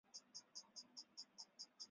米利都城可以说是被完全毁掉了。